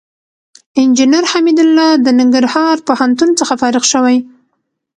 انجينر حميدالله د ننګرهار پوهنتون څخه فارغ شوى.